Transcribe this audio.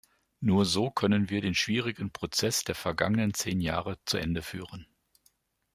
Nur so können wir den schwierigen Prozess der vergangenen zehn Jahre zu Ende führen.